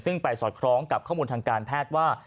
ซึ่งไปสอดคล้องกับข้อมูลทางการแพทย์ว่า